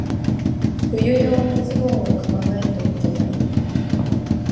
冬用のズボンを買わないといけない。